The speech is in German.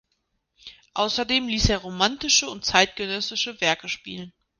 Außerdem ließ er romantische und zeitgenössische Werke spielen.